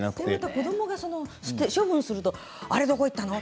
子どもが処分するとあれはどこいったの？